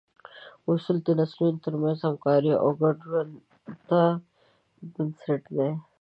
اصول د نسلونو تر منځ د همکارۍ او ګډ ژوند بنسټ دي.